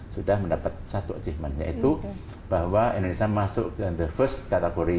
sudah mendapat satu achievement yaitu bahwa indonesia masuk ke under first kategori